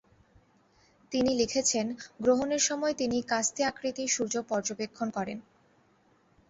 তিনি লিখেছেন গ্রহণের সময় তিনি কাস্তে আকৃতির সূর্য পর্যবেক্ষণ করেন।